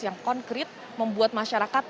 yang konkret membuat masyarakat